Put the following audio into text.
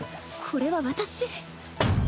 これは私？